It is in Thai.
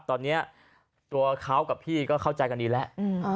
ตอนนี้ตัวเขากับพี่ก็เข้าใจกันดีแล้ว